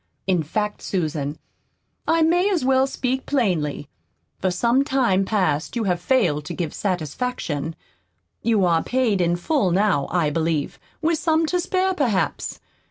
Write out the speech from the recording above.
In fact, Susan, I may as well speak plainly. For some time past you have failed to give satisfaction. You are paid in full now, I believe, with some to spare, perhaps.